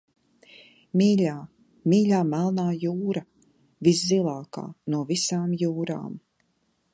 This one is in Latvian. Mīļā, mīļā Melnā jūra, viszilākā no visām jūrām!